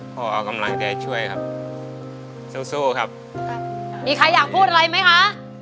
เอากำลังใจช่วยครับสู้สู้ครับครับมีใครอยากพูดอะไรไหมคะ